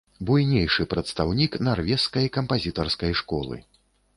Буйнейшы прадстаўнік нарвежскай кампазітарскай школы.